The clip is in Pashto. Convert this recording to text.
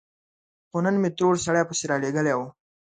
خو نن مې ترور سړی پسې رالېږلی و.